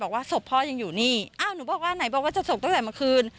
บอกว่าศพพ่อยังอยู่นี่อ้าวหนูบอกว่าไหนบอกว่าจะส่งตั้งแต่เมื่อคืน